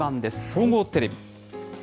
総合テレビ。